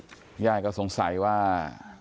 คุณจะเงียบใสว่า